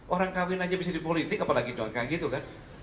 orang kawin aja bisa di politik apalagi contoh gitu kan